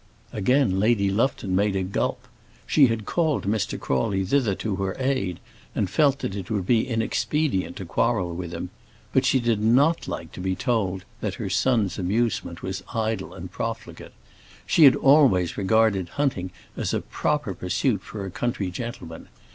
Again Lady Lufton made a gulp. She had called Mr. Crawley thither to her aid, and felt that it would be inexpedient to quarrel with him. But she did not like to be told that her son's amusement was idle and profligate. She had always regarded hunting as a proper pursuit for a country gentleman.